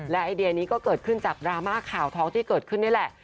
และไอเดียนี้ก็เกิดขึ้นจากดราม่าข่าวท้องที่เกิดขึ้นนี่แหละ